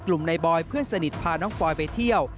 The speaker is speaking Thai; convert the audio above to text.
ในบอยเพื่อนสนิทพาน้องปอยไปเที่ยว